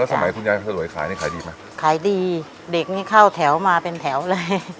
สมัยคุณยายสลวยขายนี่ขายดีไหมขายดีเด็กนี่เข้าแถวมาเป็นแถวเลย